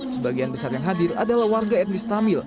sebagian besar yang hadir adalah warga etnis tamil